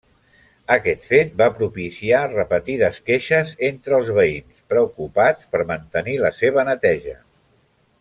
Aquest fet va propiciar repetides queixes entre els veïns, preocupats per mantenir la seva neteja.